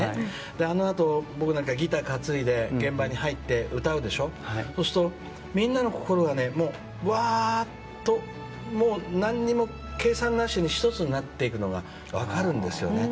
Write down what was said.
あのあと、僕はギターを担いで現場に入って歌うでしょそうすると、みんなの心がうわっと何にも計算なしに１つになっていくのが分かるんです。